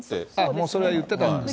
もうそれは言ってたんですね。